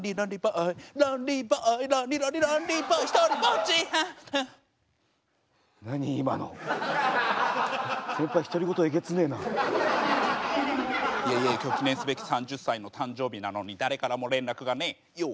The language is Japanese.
イエイイエイ今日記念すべき３０歳の誕生日なのに誰からも連絡がねえＹＯ！